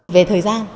về thời gian